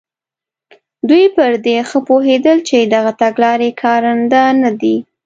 دوی پر دې ښه پوهېدل چې دغه تګلارې کارنده نه دي.